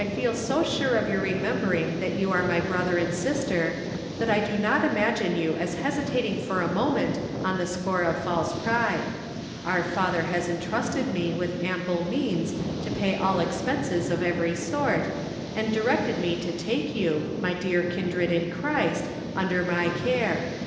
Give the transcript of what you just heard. feel so sure of your remembering that you are my brother and sister, that I do not imagine you as hesitating for a moment on the score of false pride. Our Father has entrusted me with ample means to pay all expenses of every sort, and directed me to take you, my dear kindred in Christ, under my care.